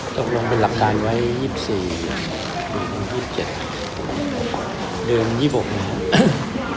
ต้องลงเป็นหลักฐานไว้๒๔หรือ๒๗เดือน๒๖นาที